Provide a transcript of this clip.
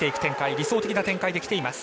理想的な展開できています。